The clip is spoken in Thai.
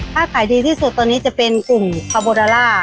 ถ้าขายดีที่สุดตอนนี้จะเป็นกลุ่มคาโบดาล่า